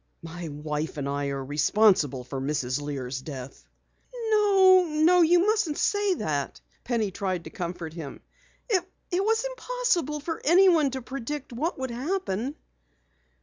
My wife and I are responsible for Mrs. Lear's death." "No, no, you mustn't say that," Penny tried to comfort him. "It was impossible for anyone to predict what would happen."